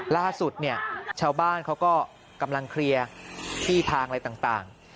ล่าสุดเนี่ยชาวบ้านเขาก็กำลังเคลียร์ที่ทางอะไรต่าง